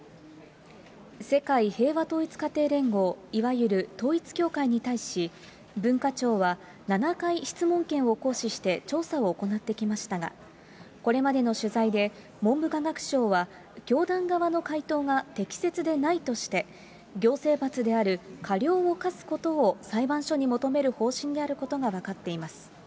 世界平和統一家庭連合、いわゆる統一教会に対し、文化庁は７回質問権を行使して、調査を行ってきましたが、これまでの取材で、文部科学省は、教団側の回答が適切でないとして、行政罰である過料を科すことを裁判所に求める方針であることが分かっています。